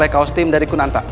kaos tim dari kun anta